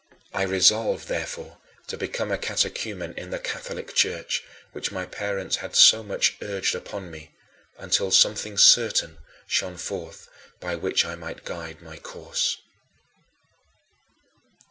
I resolved, therefore, to become a catechumen in the Catholic Church which my parents had so much urged upon me until something certain shone forth by which I might guide my course.